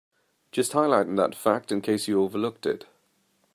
Just highlighting that fact in case you overlooked it.